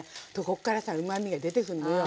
こっからさうまみが出てくんのよ。